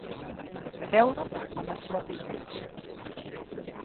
Veure-ho amb els propis ulls.